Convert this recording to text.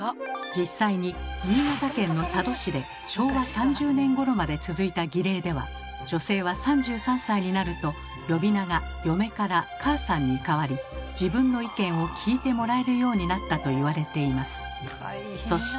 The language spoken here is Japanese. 実際に新潟県の佐渡市で昭和３０年ごろまで続いた儀礼では女性は３３歳になると呼び名が「嫁」から「母さん」に変わり自分の意見を聞いてもらえるようになったと言われています。